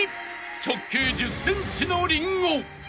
直径１０ｃｍのリンゴ］